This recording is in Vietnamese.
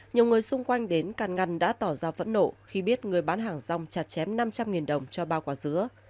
nhiều người xung quanh đến càng ngăn đã tỏ ra vấn nộ khi biết người bán hàng rong trả chém năm trăm linh đồng cho ba quả dứa